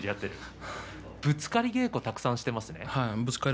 ぶつかり稽古をたくさんやっていますね。